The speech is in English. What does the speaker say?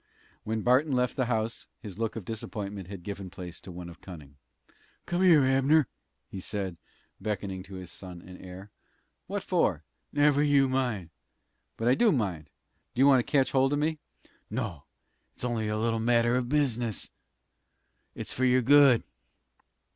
When Barton left the house, his look of disappointment had given place to one of cunning. "Come here, Abner!" he said, beckoning to his son and heir. "What for?" "Never you mind." "But I do mind. Do you want to catch hold of me?" "No; it's only a little matter of business. It's for your good."